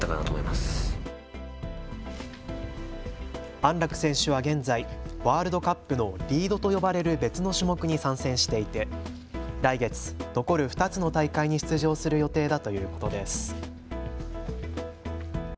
安楽選手は現在、ワールドカップのリードと呼ばれる別の種目に参戦していて来月、残る２つの大会に出場する予定だということです。